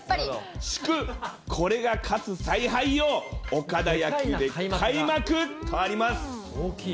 祝、これが勝つ采配よ、岡田野球で快幕とありますとあります。